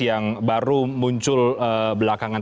yang baru muncul belakangan